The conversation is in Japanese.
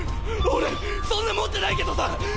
俺そんな持ってないけどさ